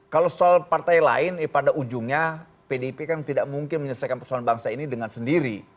kalau soal partai lain pada ujungnya pdip kan tidak mungkin menyelesaikan persoalan bangsa ini dengan sendiri